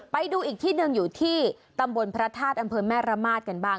ไปดูอีกที่หนึ่งอยู่ที่ตำบลพระธาตุอำเภอแม่ระมาทกันบ้าง